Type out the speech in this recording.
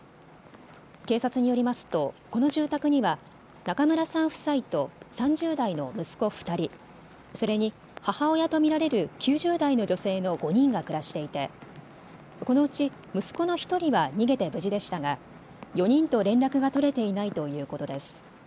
警察によりますとこの住宅には中村さん夫妻と３０代の息子２人、それに母親と見られる９０代の女性の５人が暮らしていてこのうち息子の１人は逃げて無事でしたが４人と連絡が取れていないということです。